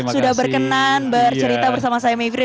sudah berkenan bercerita bersama saya mayfrey